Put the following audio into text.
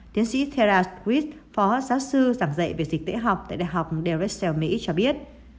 tiến sĩ tara swift phó giáo sư giảng dạy về dịch tễ học tại đại học derussell mỹ cho biết